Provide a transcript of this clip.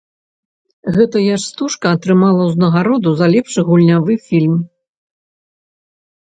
Гэтая ж стужка атрымала ўзнагароду за лепшы гульнявы фільм.